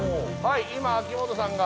今秋元さんが。